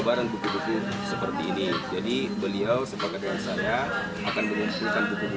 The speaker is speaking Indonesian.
karena ini di mall ratu indah